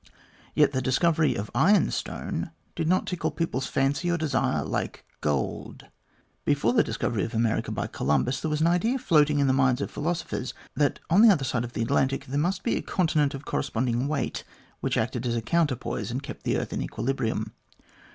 Yet the discovery of ironstone did not tickle people's fancy or desire like gold. Before the discovery of America by Columbus, there was an idea floating in the minds of philosophers that on the other side of the Atlantic there must be a continent of corresponding weight, which acted as a counterpoise, and kept the earth in equili brium.